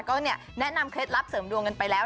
ก็แนะนำเคล็ดลับเสริมดวงกันไปแล้ว